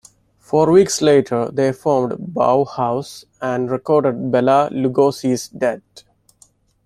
Four weeks later, they formed Bauhaus and recorded "Bela Lugosi's Dead".